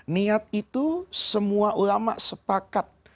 niat itu semua ulama sepakat